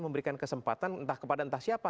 memberikan kesempatan entah kepada entah siapa